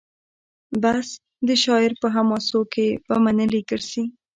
بس د شاعر په حماسو کي به منلي ګرځي